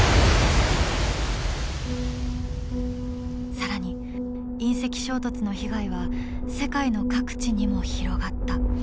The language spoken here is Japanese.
更に隕石衝突の被害は世界の各地にも広がった。